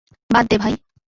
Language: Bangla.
বাদ দে, ভাই।